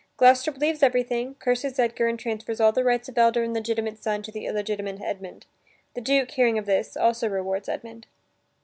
Gloucester believes everything, curses Edgar and transfers all the rights of the elder and legitimate son to the illegitimate Edmund. The Duke, hearing of this, also rewards Edmund.